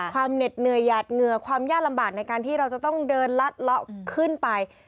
เหน็ดเหนื่อยหยาดเหงื่อความยากลำบากในการที่เราจะต้องเดินลัดเลาะขึ้นไป